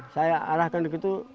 saya arahkan begitu